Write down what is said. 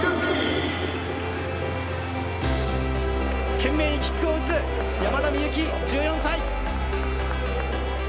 懸命にキックを打つ山田美幸、１４歳！